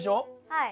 はい。